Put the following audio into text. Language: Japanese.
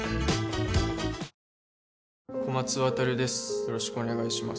よろしくお願いします